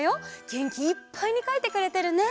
げんきいっぱいにかいてくれてるね。